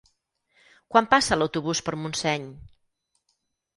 Quan passa l'autobús per Montseny?